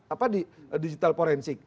apa di digital forensik